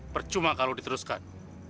percuma kalau diteruskan